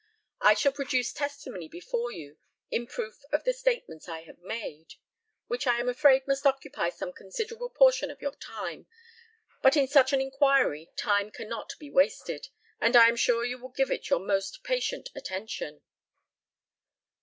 I shall produce testimony before you in proof of the statements I have made, which I am afraid must occupy some considerable portion of your time; but in such an inquiry time cannot be wasted, and I am sure you will give it your most patient attention.